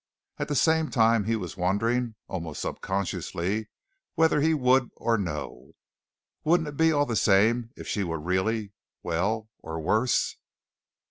At the same time he was wondering, almost subconsciously, whether he would or no. Wouldn't it be all the same if she were really well or worse?